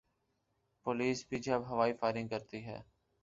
Police بھی جب ہوائی فائرنگ کرتی ہے۔